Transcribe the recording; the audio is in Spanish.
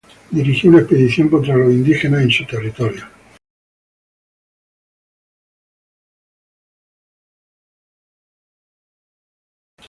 Dirigió una expedición contra los indígenas de su territorio.